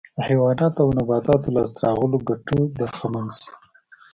د حیواناتو او نباتاتو لاسته راغلو ګټو برخمن شي